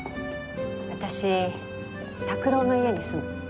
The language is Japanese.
私拓郎の家に住む。